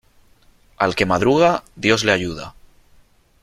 Al que madruga Dios le ayuda.